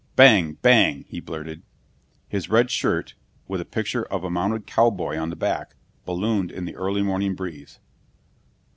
"Bang, bang!" he blurted. His red shirt, with a picture of a mounted cowboy on the back, ballooned in the early morning breeze.